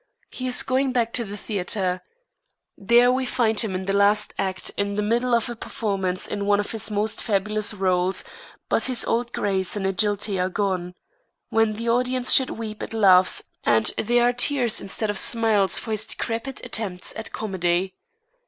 He is going back to the theater. There we find him in the last act in the middle of a performance in one of his most famous rôles, but his old grace and agility are gone. When the audience should weep it laughs and there are tears instead of smiles for his decrepit attempts at comedy.